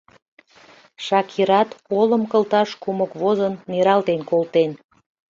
Шакират, олым кылташ кумык возын, нералтен колтен.